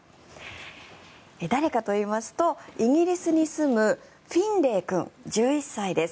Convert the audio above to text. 誰かといいますとイギリスに住むフィンレイ君、１１歳です。